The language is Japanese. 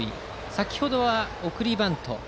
先程は送りバント。